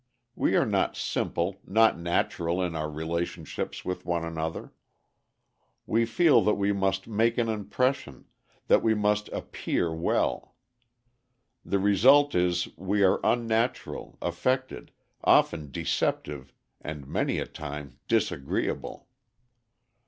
We are not simple, not natural in our relationships one with another. We feel that we must "make an impression," that we must "appear well." The result is we are unnatural, affected, often deceptive, and many a time disagreeable.